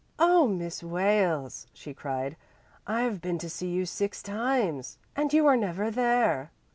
"Oh, Miss Wales," she cried, "I've been to see you six times, and you are never there.